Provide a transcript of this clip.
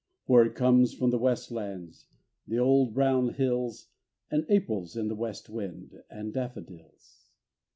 For it comes from the west lands, the old brown hills, And April's in the west wind, and daffodils.